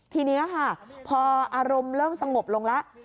ทีนี้ค่ะพออารมณ์เริ่มสงบลงแล้ว